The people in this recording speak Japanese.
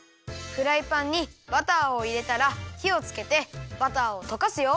フライパンにバターをいれたらひをつけてバターをとかすよ。